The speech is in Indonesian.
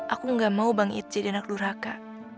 aku gak mau bang iit jadi anak duraka